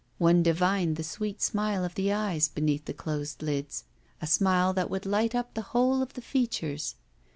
One divined the sweet smile of the eyes beneath the closed lids; a smile that would light up the whole of the features.